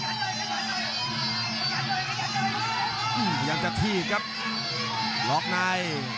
อืมพยายามจะทีครับล็อกใน